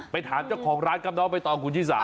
ไปถามเจ้าของร้านกำเนาะไปต่อคุณชิสา